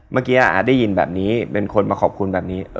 เมื่อกี้อาจได้ยินแบบนี้เป็นคนมาขอบคุณแบบนี้